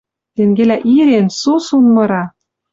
Тенгелӓ ирен, сусун мыра